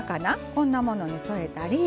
こんなものに添えたり。